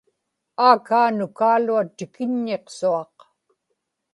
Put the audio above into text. aakaa nukaalua tikiññiqsuaq